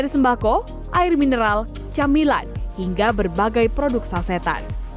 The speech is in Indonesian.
sembako air mineral camilan hingga berbagai produk sasetan